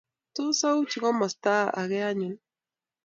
Tos auchi komasta age anyun?